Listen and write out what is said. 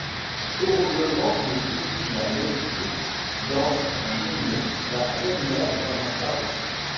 Heureusement que ceux qui la méprisent dans un bonnet la vénèrent dans un chapeau.